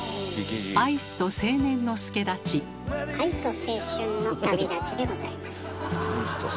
「愛と青春の旅だち」でございます。